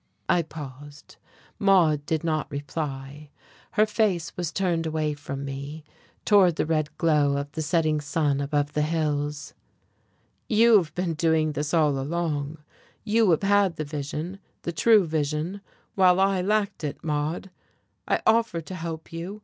I paused. Maude did not reply. Her face was turned away from me, towards the red glow of the setting sun above the hills. "You have been doing this all along, you have had the vision, the true vision, while I lacked it, Maude. I offer to help you.